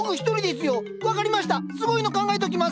すごいの考えときます。